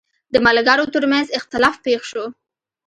د ملګرو ترمنځ اختلاف پېښ شو.